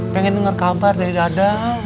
pengen denger kabar dari dadang